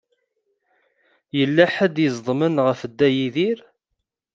Yella ḥedd i iẓeḍmen ɣef Dda Yidir.